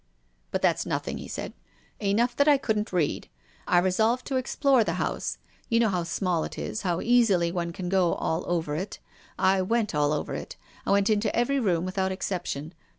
" But that's nothing," he said. " Enough that I couldn't read. I resolved to explore the house. You know how small it is, how easily one can go all over it. I went all over it. I went into every room without exception.